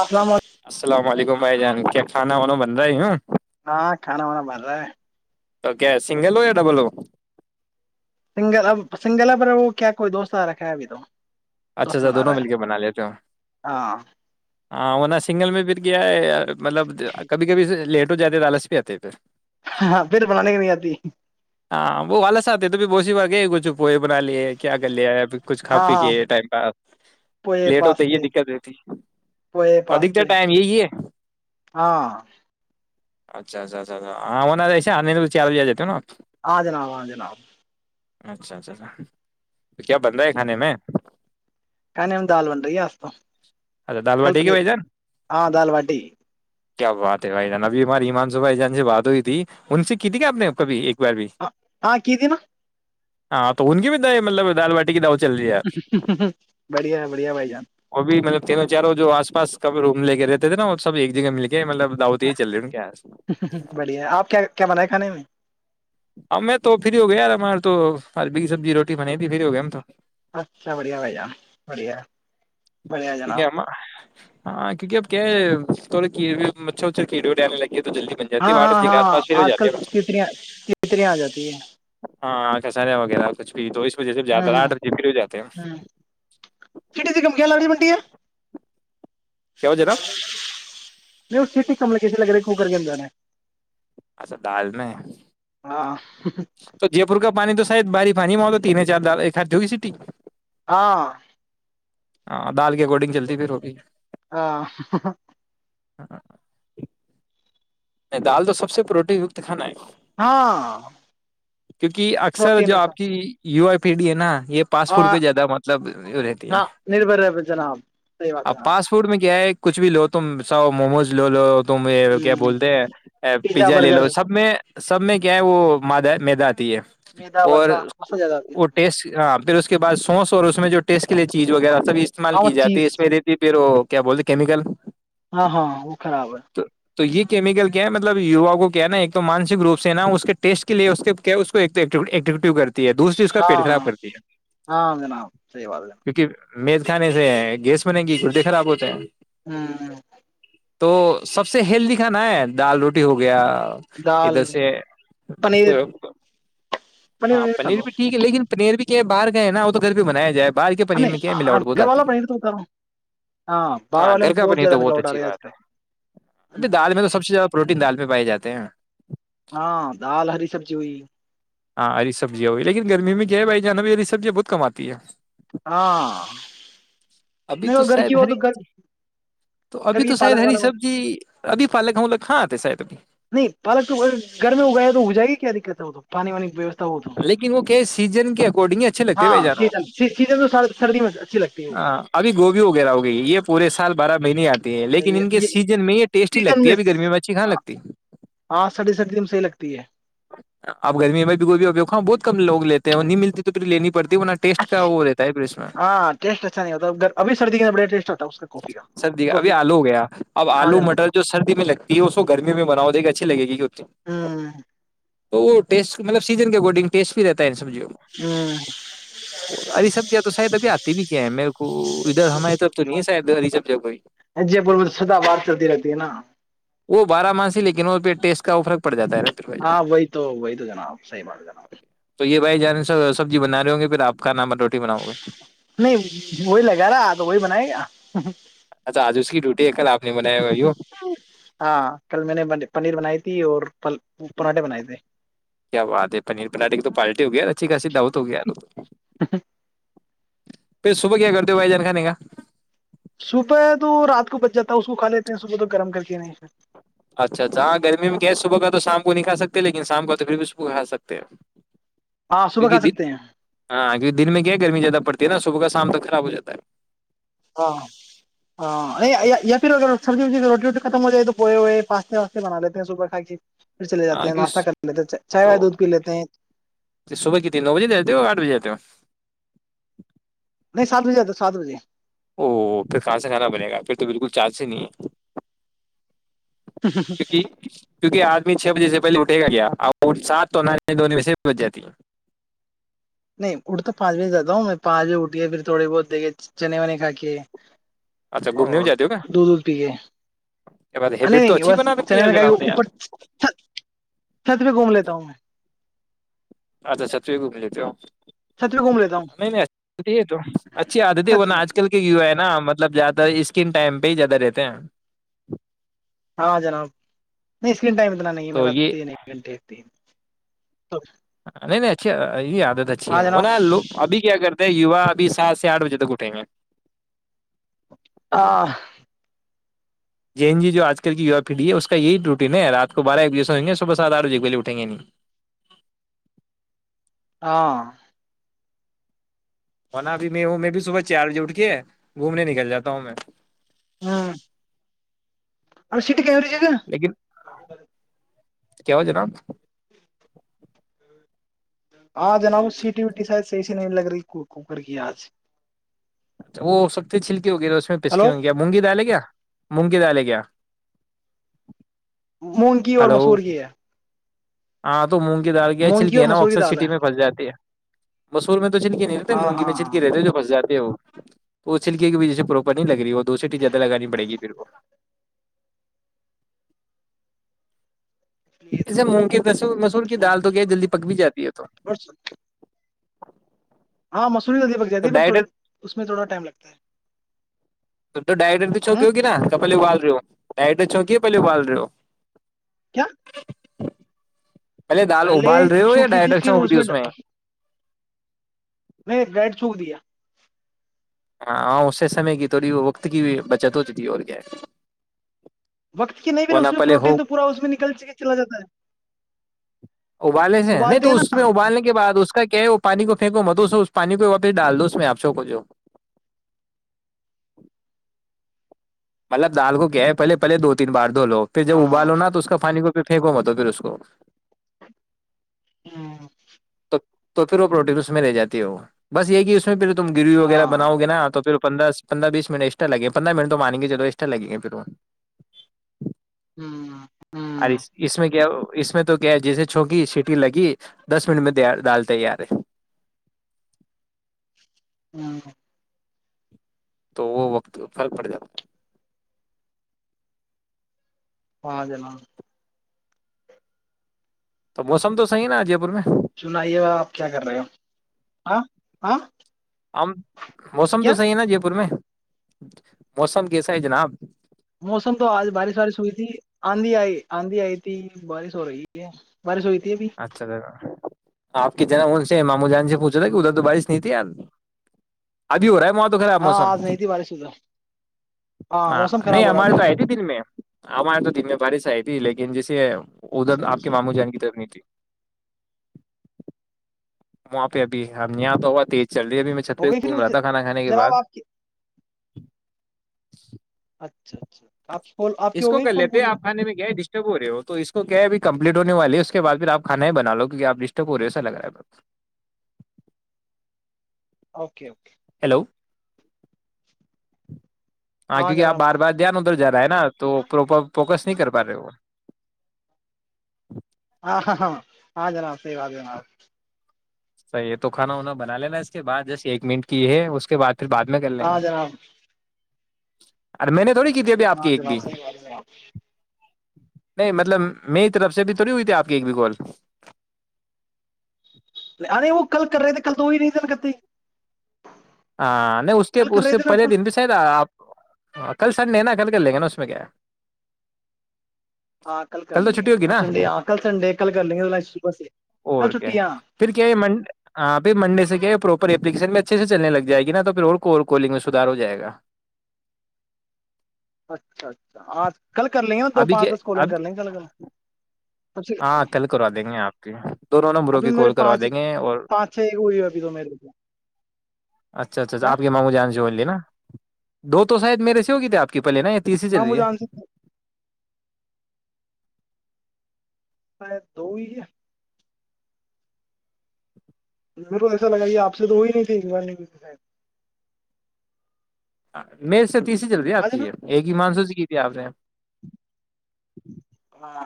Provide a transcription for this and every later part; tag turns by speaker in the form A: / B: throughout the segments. A: السلام علیکم
B: السلام علیکم بھائی جان کیا کھانا والانا بن رہ ہی ہوں
A: ہاں کھان ہونا بارر
B: تو کیا سنگل ہو یا ڈبل ہو
A: سنگل اب سنگل اب وہ کیا کوئی دوست آ رکھا ہے ابھی تو
B: اچھا
A: دوست
B: اچھا
A: بنا
B: دونوں
A: رہا ہے
B: مل کے بنا لیتے ہو
A: ہاں
B: ہاں وہ نہ سنگل میں پر گیا ہے مطلب کبھی کبھی لیٹ ہو جاتے لالس پہ آتے پھر
A: ہاں پھر بنانے کی نہیں آتی
B: ہاں وہ والا آتے ہے تو پ بسی با گ کچھپو بنا لے کیا کر لیا ہے ا [inaudible] کچھ کھا
A: ہاں
B: پی
A: ہاں
B: کے
A: پوئے
B: لیٹ ہوتے یہ
A: پاستے
B: دقت رہتی
A: پوئے پاستے
B: ٹم یہی ہے [inaudible]
A: ہاں
B: اچھا اچھا اچھا ہاںنا ج آ تو چار بجیا جاتتے ہے نا [inaudible]
A: ہاں جناب ہاں جناب
B: اچھا اچھا اچھا تو کیا بن رہا ہے کھانے میں
A: کھانے میں دال بن رہی ہے آج تو
B: اچھا دال
A: کل
B: ٹھیک ہے
A: پنیر
B: بھائی جان
A: ہاں دال باٹی
B: [inaudible] کیا بات ہے بھائی جان ابھی ہماری ہمان شو بھائی جان سے بات ہوئی تھی ان سے کی تھی کیا آپ نے کبھی ایک بار بھی
A: ہاں کی تھی نا
B: ہاں تو ان کی بھی مطلب دال باٹی کی د [inaudible]
A: بڑھیا بڑھیا بھائی جان
B: وہ بھی مطلب تینوں جو آس پس کبھی روم لے کے رہتے تھے نا وہ سب ایک جگہ مل کے مطلب دعوت یہی چل رہی ہے ان کے یہاں سے۔
A: بڑھیا آپ کیا کیا بنائے کھانے میں
B: اب میں تو فری ہو گیا یار ہمار تو بی سبزی روٹی بنی تھی فری ہو گیا ہم تو [inaudible]
A: اچھا بڑیا بھائی جان بڑیا بڑھیا
B: کیونکہ
A: جناب
B: ہم تھوڑ کیڑ ہو مچھر مچھر کیھیڑے ڈٹنے لگے تو جلدی بن جاتی
A: ہاں
B: ہے آٹھ
A: ہاں
B: بجے کے
A: ہاں
B: آس پاس فری ہو
A: آج
B: جاتے
A: کل
B: ہیں ہم تو۔
A: کتنی کتنی آ جاتی ہے
B: ہاں کساریا وغیرہ کچھ بھی تو وجہ سے
A: ہ
B: زیادہ
A: ہ
B: آٹھ بجے فری ہو جاتے ہیں
A: ہ کٹی د گم گ لی منڈیا
B: کیا ہو جناب
A: نہیں وہ چتی کم ل کیسے لگ رہ س کر کےم جان ہے
B: اچھا دال میں
A: ہاں
B: تو جے پور کا پانی تو شاید باری پانی میں آتا تیننے چار د خات جوئی سیٹی
A: ہاں
B: ہاں دال کے اکارڈنگ چلتی پھر ہوگی
A: ہ [unintelligible]
B: ہاں نہیں دال تو سب سے پروٹین کت کھانا ہے
A: ہاں
B: کیونکہ اکثر
A: پروٹین
B: جو
A: وسا
B: آپ کی یو ایئی پی ڈی ہے نا یہ فاسٹ فوڈ
A: ہاں
B: پہ زیادہ مطلب رہتی ہے
A: ہاں نربھر ہے جناب صحیح بات ہے
B: اب
A: جناب
B: فاسٹ فوڈ میں کیا ہے کچھ بھی لو تم ساو موموز لو لو تم کیا
A: ہ
B: بول پیزا لے لو سب میں سب میں کیا ہے وہ ما میداد ہے
A: میدا
B: اور
A: وسا وسا زیادہ آتی ہے
B: وہ ٹیسٹ ہاں پھر اس کے بع سوس اور میں جو ٹیسٹ کےے چیز وغیرہ سب استعمال
A: ہاں وہ
B: کی جاتی ہے
A: چیز
B: اس میں دیتی پھر کیا بولتے کیمیکل
A: ہاں ہاں وہ خراب ہے
B: تو تو یہ کیمکل کیا ہے مطلب یوا کو کیا ہےا تو مانسک روپ سے نا اس کے ٹیسٹ کے لیےو کرتے ہے دوسری اس کا پیٹ
A: ہاں
B: خراب کرتی ہے
A: ہاں جناب صحیح بات
B: کیونکہ می کھانے سے گیس بن گی گدے خراب ہوتے ہیں
A: ہاں ہاں
B: تو سب سے ہیلدی ھانا ہے دال روٹی ہو گیا یہھر
A: دال
B: سےے
A: پنیر
B: ہاں
A: ونیر کھا
B: پنیر
A: لو
B: بھی ٹھیک ہے لیکن پنیر بھی کے بر گئے نا وہ تو گھر پہ بنایا جائے بال کے پنیر میں کیا ہے
A: نہیں
B: ملاوٹ بہت
A: گھر والا
B: آتی ہے
A: پنیر تو بتا رہا ہوں باہر
B: ہاں
A: والے
B: گھر
A: میں
B: کا پنیر
A: زیادہ
B: تو بہت
A: ملاوٹ آ
B: اچھی
A: رہی آج
B: بات ہے
A: کل
B: ابھی دال میں تو سب سے زیادہ پروٹین دال پہ پائے جاتے ہیں
A: ہاں دال ہری سبزی ہوئی
B: ہاں ہری سبزیاں ہوی لیکن گرمی میں کیا ہے بھائی جانب ہری سبزیا بہت کماتی ہے
A: ہاں
B: ابھی
A: نہیں
B: تو
A: وہ گھر
B: شاید
A: کی ہو
B: ہری
A: گھر
B: تو
A: گھر
B: ابھی
A: کی
B: تو شاید
A: پالک
B: ہری
A: والک ہو
B: سبزی ابھی پالک ہمک کاں آتے شاید اب
A: نہیں پالک تو اگر گھر میں اگائےیا تو ہو جائے گی کیا دقت ہے ہو تم پانی وانی کی ویوستھا
B: لیکن وہ کہ سیزن کے اکارڈنگ ہی اچھے لگتے
A: ہاں
B: بھائی جان
A: سیزن سیزن تو سردی میں اچھی لگتی ہے
B: ہاں ابھی گوبھی وغیرہ ہو گئی یہ پورے سال بارہ مہینے آتے
A: وہ
B: لیکن ان کے
A: یہ
B: سیزن میں یہ ٹیسٹی لگتی ابھی گرمی میں بچھی کھانے لگتی
A: ہاں سردی سردی میں صحیح لگتی ہے
B: اب گرمی میں بچ بھیباں بہت ک لوگ لیتے ہیں نہیں ملتی تو پھر لیینی بھی ٹیٹ کا وہ رہتا ہے پھر میں
A: ہاں ٹیسٹ اچھا نہیں ہوتا ابھی سردی کے بڑا ٹیسٹ ہوتا ہے اس کا کافی کا
B: سردی کا ابھی آلو ہو گیا اب
A: ہاں
B: آلو
A: جناب
B: مٹر جو سردی میں لگتی ہے اس کو گرمی میں بنا دے گی اچھی لگے گیتی تو وہ ٹیسٹ مطل سیز کے اارڈنگ ٹیٹ بھی رہتا سبی
A: ہ
B: ہری سب ش ابھی آتی بھی کیا ہے میرے کو ادھر ہماری طرف تو نہیں ہے ہ سب کو
A: جے پور میں تو سدا بات چلتی رہتی ہے نا
B: وہ بارہ مانسی لیکن پہ ٹیسٹ کار
A: ہاں وہئی تو ہو وہئیت نام سیمٹ کر نا
B: بائی جان سبزی بنا رہے ہ گے پھر آپ کا نام روٹی بناؤ گے
A: نہیں وہی لگا رہا تو وہی بنیا گیا
B: اچ آج اس کی ڈیٹی ایک
A: ہاں کل میں نے پنیر بنائی تھی اور پراٹھے بنائے تھے
B: کیا بات ہے پنیر پٹے کی تو پالٹی ہو گیا اچھی خا سید دات تو گیار پھر صبح کیا کرتے ہو بھائی جان کھانے کا
A: صبح تو رات کو بچ جاتا ہے اس کو کھا لیتے ہیں صبح تو گرم کر کے نہیں
B: اچھا اچھا ہاں گرمی میں کیا ہے صبح کا تو شام کو نہیں کا سکتے لیکن شام کا تو پھر بھی صبح کھا سکتے ہیں
A: ہاں صبح
B: کیونکہ
A: کھا
B: د
A: سکتے ہیں
B: ہاںہ دن میں کیا گرمی زیادہ پڑتی ہے نا صبح کا شام تک خراب ہو جاتا ہے
A: ہاں ہاں نہیںیا پ سبزیبی ر ختم ہو جائے تو پو ہوئے پاتے واستے بنا لیتے ہیں سوبر کائی
B: آ تو
A: وائے دودھ پی لیتے ہیں
B: صبح ک تین نو بجے جاتتے ہو آٹھ بجے جاتتے ہو
A: نہیں سات بجے آتا سات بجے
B: او پھر کہاں سے کھانا بنے گا پھر تو بالکل چاند سے نہیں کیکہ کیونکہ آج چھ بجے سے پہے اٹھے گا گیا اور ساتھ تو نانی دون ب سے بھی بج جاتی
A: نہیں اٹھ تو پانچ بجے سے جاتا ہوں میں پانچ بجے اٹھیا پھر تھوڑے بہت دیکھے چنے ونے کھ کے
B: اچھا گھومنے
A: اور
B: میں جاتے ہو کیا
A: دھ وھ پی کے
B: یہ بات
A: نہیں
B: ہیبٹ تو
A: نہیں
B: اچھی
A: بس
B: بنا رکھی ہے یار
A: چنے
B: جناب نے یار۔
A: اوپر چھت پہ گھوم لیتا ہوں میں
B: اچھا اچھا تو یہ ہی گھوم لیتی ہو
A: چھت پہ گھوم لیتا ہوں
B: نہیں نہیں ہے تو اچھی عادت ہے
A: چھت
B: ورنہ
A: پہ
B: آج کل کے یوا ہے نا م مطلب زیاد تر اسکن ٹائم پہ ہی زیادہ رہتے ہیں
A: نش اس ٹائم ا نا م میں
B: تو
A: رات ت
B: یہ
A: ایک گنےتے تو
B: نہیں نہیں اچھھی یہ آ اچھی
A: ہاں
B: ہے
A: جناب
B: ہوناا لو ابھی کیا کرتے یوا ابھی سات سے آٹھ بجے تک اٹھیں گے
A: ہاں
B: جین جی جو آج کل کی یوا پیڑھی ہے اس کا یہی روٹین ہے رات کو بارہ ایک بجے سےئیں گے صبح سات آٹھ بجے کے بے اٹھیں گے نہیں
A: ہاں
B: وہنا بھی میں ہوں میں بھی صبح چار بجے اٹھ کے گھومنے نکل جاتا ہوں میں
A: ہوں اور کی ہوی جگہ
B: لیکن کیا ہو ج رام
A: ہاں جناب سیٹی ویٹی سا صحیسیی نہیں لگ رہی کوکر کی آج
B: اچھا وہ ہو سکتی چھلکی ہو گییر اس میں
A: ہلو
B: پسکیوں گییا مونگی دال ہے کیا مونگے ڈالے کیا
A: مونگ کی اور مسور کی ہے
B: آاں تو مونگ کی دال گیا
A: مونگ کی
B: چلک ہے
A: اور
B: نا
A: مسور کی
B: اکثر
A: دال ہے
B: سٹی میں پھساتی ہے مسور میں تو چھڑکی نہیں رہتے
A: ہاں
B: مونگی
A: ہاں
B: میں چھڑک
A: ہاں
B: رہتے جو پساتے ہے وہ وہ چلکے کی جیسے پروپر نہیں لگ رہی وہ دوسری ٹی زیادہ لگانی پڑے گی پھر کو
A: یہ تو
B: جسے مونگ کےس مسور کی دال تو کیا جلدی پک بھی جاتی ہے تو
A: اور ہاں م تھوڑی جلدی پک جاتی
B: تو
A: ہے بٹ تھوڑی
B: ڈائٹر
A: اس میں تھوڑا ٹائم لگتا ہے
B: تم تو ڈائڈنٹ چوی
A: ہ
B: ہوگی نا کپلو ایڈ چوںک پہلےوبال رہے ہو
A: کیا
B: دال
A: پہلے
B: ابال رہے ہو یا
A: چوک تھی
B: ڈائٹر
A: پھر
B: چونک
A: اس
B: دی
A: میں میں رائڈ چھوک دیا [inaudible]
B: ہاں ہاں اس سے سمے کی تھوڑی وہ وقت کی بھی بچت ہو چتی ہے اور کیا
A: وقت کی نہیں پھر
B: ورنہ
A: اس میں
B: پہلے ہو
A: پروٹین تو پورا اس میں نکل کے چلا جاتا ہے
B: ابالے سے نہیں
A: ابالتے ہیں
B: تو اس
A: نا
B: میں ابالنے کے بعد اس کا کیا ہے وہ پانی کو پھینکو مدوسو اس پانی کو واپس ڈال دو اس میں آپشو کو جو مطلب دال کو کیا ہے پہے پہے دو تین بار لو پھر جب ابالو ن تو اس کا پانی کو ھر پھینکوا م تو پھر اس کو
A: ہاں
B: تو تو پھر وہ پروٹین اس میں رہے جاتی ہو بس یہ کہ اس میں پھر تم گرریی وغیرہ
A: ہاں
B: بناؤ گے نا تو پھر پندرہ پندرہ بیس منٹ ایکسٹر لگیںے پندرہ منٹ تو مانیں گے چلو ایکسٹرا لگیں گے پھر وہ
A: ہوں
B: اور
A: ہوں
B: اس اس میں کیا اس میں تو کیا ہے جیسے چھونکی سیٹی لگی دس ان میں د دال تیار ہے
A: ہاں
B: تو وہ وقت فرق پڑ جاتا ہے
A: ہاں جنا
B: تو موسم تو صحیح نا ا جے پور میں
A: سنائیے آپ کیا کر رہے ہو ہاں ہاں
B: ہم موسم تو
A: کیا
B: صحیح ہے نا جے پور میں موسم کیسا ہے جناب
A: موسم تو آج بارش وارش ہوئی تھی آندھی آئی آندھی آئی تھی بارش ہو رہی ہے بارش ہوئی تھی ابھی
B: اچھا دا آپ کی جناب سے مامو جان پچا کہ اد تو بشس نہیںتی ہے ادھی وور تو خراب
A: ہاں
B: موسم
A: آج نہیں تھی بارش ادھر
B: ہاں
A: موسم
B: نہیں
A: خراب ہو رہا
B: ہمارے
A: ابھی
B: تو آئی تھی دن میں ہمارے تو دن میں بارش آئی تھی لیکن ان
A: اچھا
B: ادھر آپ کے
A: اچھا
B: ماموں جان کی طر نہیں تھی وہاں پہ ابھی ہم یہاں تو ہوا تیز چل رہی ابھی میں چھت پہ
A: ہو گئی
B: گھوم
A: پھر
B: رہا تھا کھانا کھانے کے بعد
A: جناب آپ کی
B: [unintelligible]
A: اچھا اچھا آپ کی کال آپ کی
B: اس
A: ہو
B: کو
A: گئی
B: کر
A: کال
B: لیتے
A: پوری
B: آپ کانے میں گئے ڈسٹرب ہو رہے ہو تو اس کو کیا ہےبھی کم ہونے والی ہے اس کے بعد پھر آپ کھانا ہی بنا لو کیکہ آپ ڈسٹرب پےا لگ رہا ہے
A: اوکے اوکے
B: ہیلو ہاں کیونکہ آپ
A: جناب
B: بار
A: ہاں
B: بار دھیان ادھر جا رہا ہے نا تووپر فوکس نہیں کر پا رہے وہ
A: ہاں ہاں ہاں جناب صی بات جناب
B: سر یہ تو کھانا ونا بنا لینا اس کے بعد جس ایک منٹ کی ہے اس کے بع پھر بعد میں کر لیں گا
A: ہاں جناب
B: ارے میں نے تھوڑی کی تھی ابھی آپ کی
A: ہاں
B: ایک بھی
A: جناب صح بارے میں آپ
B: نہیں مطلب میری طرف سے بھی تھوڑی ہوئی تھی آپ کی ایک بھی کال
A: ارے وہ کل کر رہے تھ کل توی نہیں سل کرتے
B: ہاں نہیں اس کے
A: کل کر
B: اس
A: رہے
B: کے
A: تھے نا
B: پہلے دن بھی شاید آپ ہاں کل سنڈے نا کل کر لیں گے نا اس میں کیا
A: ہاں کل کر
B: تو
A: لیں گے
B: چھٹی ہوگی
A: کل
B: نا
A: سنڈے
B: اور
A: ہاں کل سنڈے کل کر لیں گے ا صبح سے کل
B: کیا ہے.
A: چھٹی آ
B: پھر کیا اپلیکشن اچے سے چلنےگے جائے گی نا تو پھر کو کولنگ میں سدار ہو جائے گا
A: اچھا اچھا آج کل کر لیںےوں دو
B: ابھی
A: پانچ
B: کیا
A: د سکولنگ
B: اب
A: کر لیں کل کل سب سے
B: ہاں کل کروا دیں گے آپ کی دونوں نمبروں
A: ابھی
B: کی
A: میرے
B: کال کروا
A: پانچ
B: دیں گے اور
A: پانچ چھ ہوئی ہے ابھی تو میرے کو
B: اچھا اچھا اچھ
A: کیا
B: آپ کی مانگوں جش لینا دو تو شاید میرے سے ہوگی تھے آپ کی پہلے نا تیسری چل
A: ماموں
B: رہی ہے
A: جان سے شید دو ہی کیا م کو ایسا لگا کہ آپ سے تو وہی نہیں تھی بار
B: میں تیسری جلدی
A: آج نا
B: آپے ایک ہی مانسو کی د آپتے ہیں
A: ہاں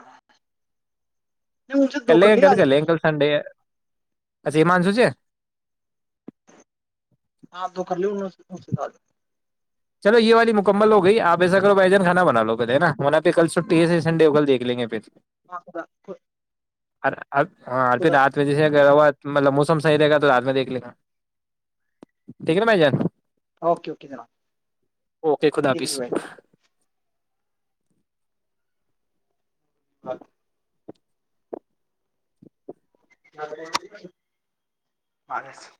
A: نہیں ان سے دو
B: کلے
A: کر
B: گ
A: لیا
B: کل
A: آج میں
B: کلے
A: نے
B: گ کل سنڈے ہے اچھا ایمان سو چ
A: ہاں تو کر ل ہنا س سےال
B: چلو یہ والی مکمل ہو گئی آپ ایسا کرو بائی جان کھانا بنا لو پہ ہے نا وہنا پہ کل چھٹی سے سنڈے ہو کل دیک لیں گے پھر
A: آ رو
B: ا اب ہاںھر رات میں جیسے گ بت مطلب موسم صحیح رہے گا تو رات میں دیکھ لے گا ٹھیک ہے نا بھائی جان
A: اوکے اوکے جناب
B: اوکے خدا
A: ٹھیک
B: حافظ
A: ہے ہاں مارس